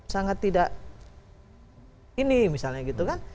sangat tidak ini misalnya gitu kan